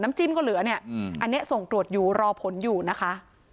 จิ้มก็เหลือเนี่ยอันนี้ส่งตรวจอยู่รอผลอยู่นะคะ